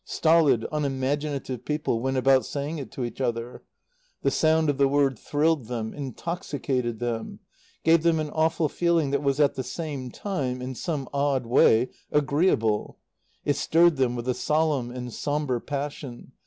Stolid, unimaginative people went about saying it to each other. The sound of the word thrilled them, intoxicated them, gave them an awful feeling that was at the same time, in some odd way, agreeable; it stirred them with a solemn and sombre passion.